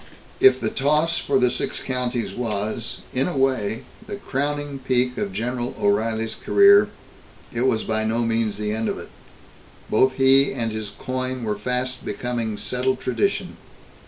If the toss for the Six Counties was, in a way, the crowning peak of General O'Reilly's career, it was by no means the end of it. Both he and his coin were fast becoming settled tradition.